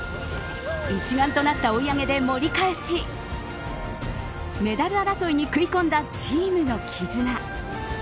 一丸となった追い上げで盛り返しメダル争いにくい込んだチームの絆。